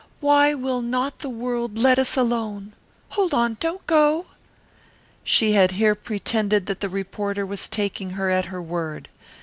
Why will not the world let us alone? Hold on don't go!" She had here pretended that the reporter was taking her at her word.